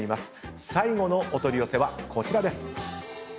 最後のお取り寄せはこちらです。